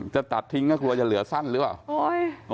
จะตัดทิ้งก็กลัวจะเหลือสั้นหรือเปล่า